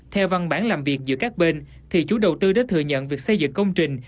theo văn bản làm việc giữa các bên thì chủ đầu tư đã thừa nhận việc xây dựng công trình